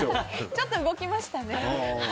ちょっと動きましたね。